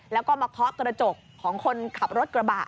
แล้วก็มาเคาะกระจกของคนขับรถกระบะ